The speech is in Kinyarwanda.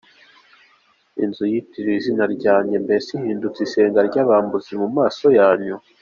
Iyi nzu yitiriwe izina ryanjye, mbese ihindutse isenga ry’abambuzi mu maso yanyu?